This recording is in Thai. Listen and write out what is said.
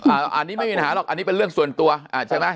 อันนี้ไม่มีปัญหาหรอกอันนี้เป็นเรื่องส่วนตัวใช่ไหม